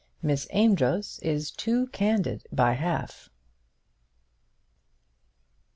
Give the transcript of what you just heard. MISS AMEDROZ IS TOO CANDID BY HALF.